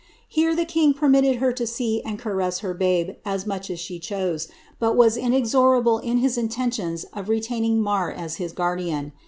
Here the king permitted her to see and caress her babe as much as she chose, but was inexorable in his intentions of retaining Man* as his guardian.